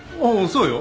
そうよ。